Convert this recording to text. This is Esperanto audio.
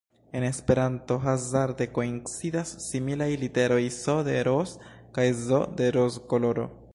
En Esperanto hazarde koincidas similaj literoj “s” de Ross kaj “z” de roz-koloro.